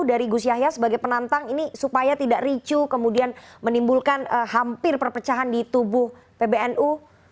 dari gus yahya sebagai penantang ini supaya tidak ricu kemudian menimbulkan hampir perpecahan di tubuh pbnu